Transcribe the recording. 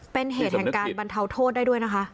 เป็นเหตุแห่งการบรรเทาโทษได้ด้วยนะคะ